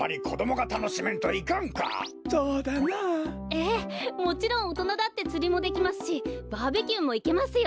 ええもちろんおとなだってつりもできますしバーベキューもいけますよ。